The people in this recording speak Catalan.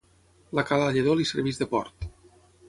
La cala Lledó li serveix de port.